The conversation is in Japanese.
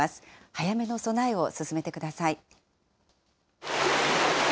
早めの備えを進めてください。